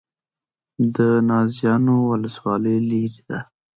د نازیانو ولسوالۍ لیرې ده